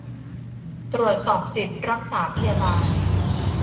ตรวจสอบสิทธิรักษาพยาบาล